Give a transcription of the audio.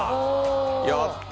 やった！